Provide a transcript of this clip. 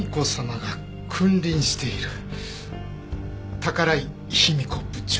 宝井日美子部長。